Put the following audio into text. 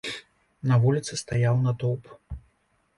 На вуліцы стаяў натоўп.